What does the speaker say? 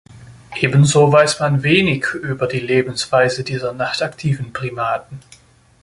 Ebenso weiß man wenig über die Lebensweise dieser nachtaktiven Primaten.